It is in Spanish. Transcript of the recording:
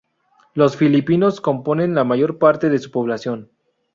Los filipinos componen la mayor parte de su población.